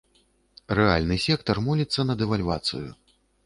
Рэальны сектар моліцца на дэвальвацыю.